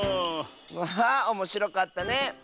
わあおもしろかったね！